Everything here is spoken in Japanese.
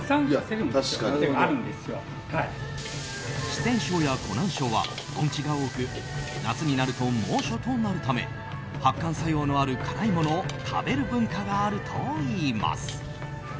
四川省や湖南省は盆地が多く夏になると猛暑となるため発汗作用のある辛いものを食べる文化があるといいます。